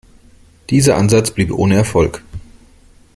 Dieser Ansatz blieb ohne Erfolg.